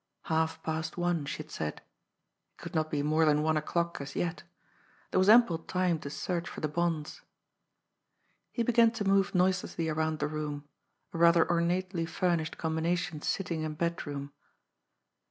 Halfpast one, she had said. It could not be more than one o'clock as yet There was ample time to search for the bonds. He began to move noiselessly around the room a rather ornately furnished combination sitting and bedroom.